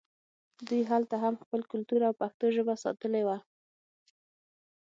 دوی هلته هم خپل کلتور او پښتو ژبه ساتلې وه